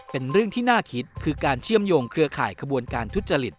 เป็นเรื่องที่น่าคิดคือการเชื่อมโยงเครือข่ายขบวนการทุจริต